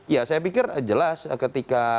ya saya pikir jelas ketika